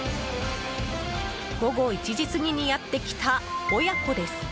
午後１時過ぎにやってきた親子です。